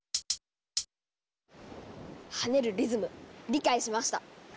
跳ねるリズム理解しました！